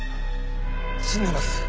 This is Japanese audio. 死んでいます。